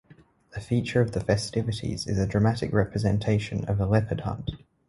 A feature of the festivities is a dramatic representation of a leopard-hunt.